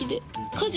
家事。